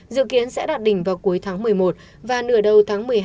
dự kiến sẽ đạt đỉnh vào cuối tháng một mươi một và nửa đầu tháng một mươi hai